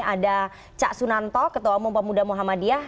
ada cak sunanto ketua umum pemuda muhammadiyah